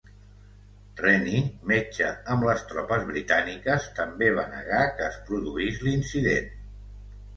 Rennie, metge amb les tropes britàniques, també va negar que es produís l'incident.